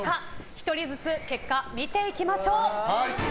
１人ずつ結果を見ていきましょう。